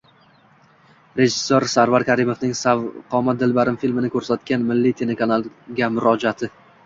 Rejissor Sarvar Karimovning "Sarvqomat dilbarim" filmini ko'rsatgan Milliy telekanalga murojaati